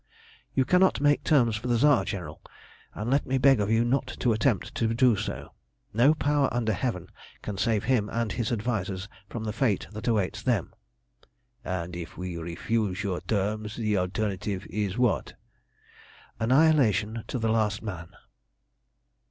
"You cannot make terms for the Tsar, General, and let me beg of you not to attempt to do so. No power under heaven can save him and his advisers from the fate that awaits them." "And if we refuse your terms, the alternative is what?" "Annihilation to the last man!"